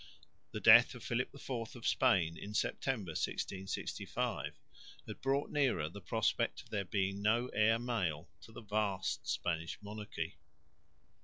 The death of Philip IV of Spain in September, 1665, had brought nearer the prospect of there being no heir male to the vast Spanish monarchy.